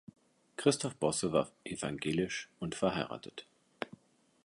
Christoph Bosse war evangelisch und verheiratet.